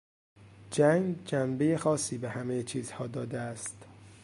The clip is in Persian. جنگ جنبهی خاصی به همهی چیزها داده است.